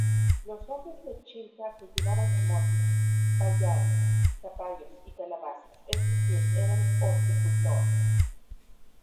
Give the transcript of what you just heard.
Los hombres de Chilca cultivaban camotes, pallares, zapallos y calabazas, es decir, eran horticultores.